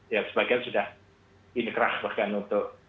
ya sebagian sudah inkrah bahkan untuk